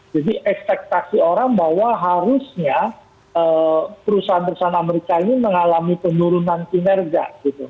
jadi ekspektasi orang bahwa harusnya perusahaan perusahaan amerika ini mengalami penurunan kinerja gitu